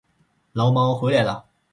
牢猫回来了